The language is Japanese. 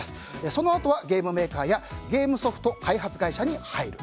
そのあとはゲームメーカーやゲームソフト開発会社に入る。